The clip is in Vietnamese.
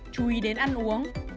chín chú ý đến ăn uống